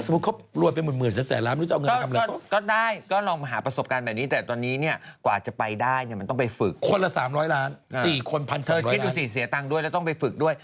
มีสิทธิ์เสียตังค์ด้วยแล้วต้องไปฝึกด้วย